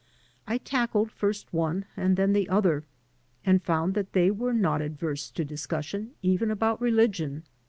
I tackled first one and then the other, and f oimd that they were not averse to discussion even about religion.